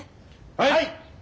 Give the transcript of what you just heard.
はい！